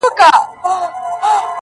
نو خدای خبر سبا به ترې څه جوړیږي